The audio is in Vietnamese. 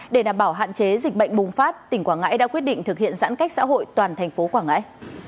để đảm bảo hạn chế dịch bệnh bùng phát tỉnh quảng ngãi đã quyết định thực hiện giãn cách xã hội toàn thành phố quảng ngãi